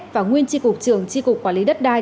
và nguyên tri cục trường tri cục quản lý đất đai